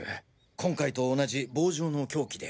今回と同じ棒状の凶器で。